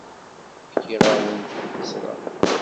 Fkiɣ-awen-d tuttra.